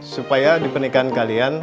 supaya di pernikahan kalian